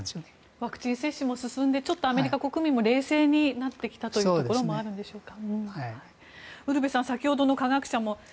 ワクチン接種も進んでちょっとアメリカ国民も冷静になってきたというところもあるんでしょうか。